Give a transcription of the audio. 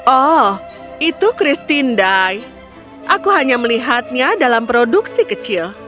oh itu christine die aku hanya melihatnya dalam produksi kecil